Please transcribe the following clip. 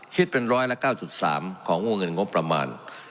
คิดเป็น๑๙๓ของโงงเงินงบประมาณ